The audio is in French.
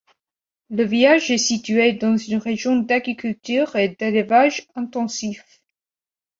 Le village est situé dans une région d'agriculture et d'élevage intensifs.